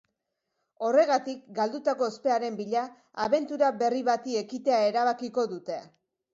Horregatik, galdutako ospearen bila abentura berri bati ekitea erabakiko dute.